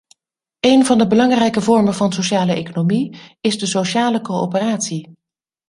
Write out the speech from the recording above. Een van de belangrijke vormen van sociale economie is de sociale coöperatie.